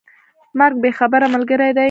مرګ بې خبره ملګری دی.